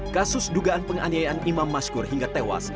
kasus dugaan penganiayaan imam maskur hingga tewas